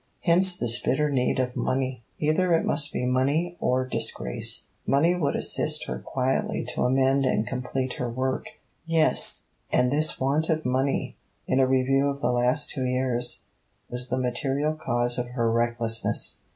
Hence this bitter need of money! Either it must be money or disgrace. Money would assist her quietly to amend and complete her work. Yes, and this want of money, in a review of the last two years, was the material cause of her recklessness.